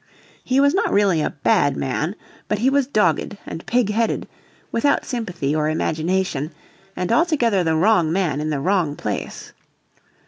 He was not really a bad man, but he was dogged and pig headed, without sympathy or imagination, and altogether the wrong man in the wrong place.